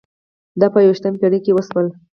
دا په یوویشتمه پېړۍ کې وشول.